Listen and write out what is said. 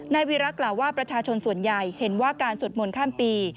วีรักษ์กล่าวว่าประชาชนส่วนใหญ่เห็นว่าการสวดมนต์ข้ามปี